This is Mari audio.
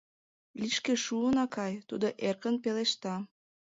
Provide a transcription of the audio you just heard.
— Лишке шуын, акай, — тудо эркын пелешта.